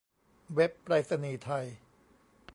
เว็บไปรษณีย์ไทย